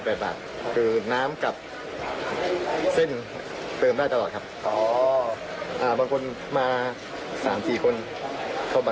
เพราะต้องการเกาเหลาก็เลยทำเป็นหม้อไฟขึ้นมา